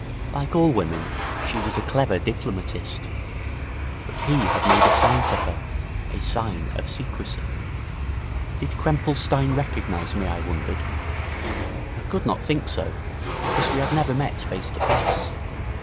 Like all women, she was a clever diplomatist. But he had made a sign to her a sign of secrecy. Did Krempelstein recognize me, I wondered? I could not think so, because we had never met face to face.